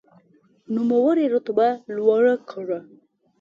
نوموړي رتبه لوړه کړه.